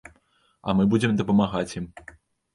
А мы будзем дапамагаць ім.